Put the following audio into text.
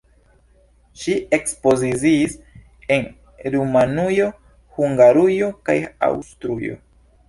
Ŝi ekspoziciis en Rumanujo, Hungarujo kaj Aŭstrujo.